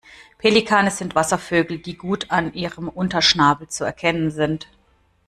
Pelikane sind Wasservögel, die gut an ihrem Unterschnabel zu erkennen sind.